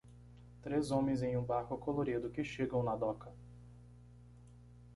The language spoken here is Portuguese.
Três homens em um barco colorido que chegam na doca.